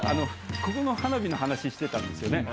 ここの花火の話してたんですよね